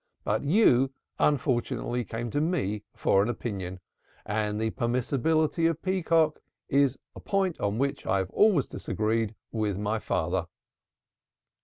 But you unfortunately came to me for an opinion, and the permissibility of peacock is a point on which I have always disagreed with my father.'"